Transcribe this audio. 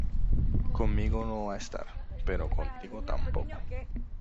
conmigo no va a estar, pero contigo tampoco.